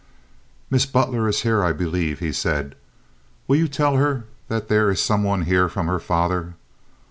"Miss Butler is here, I believe," he said. "Will you tell her that there is some one here from her father?"